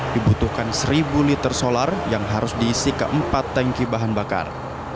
dibutuhkan seribu liter solar yang harus diisi keempat tanki bahan bakar